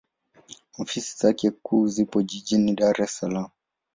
Ofisi zake kuu zipo Jijini Dar es Salaam.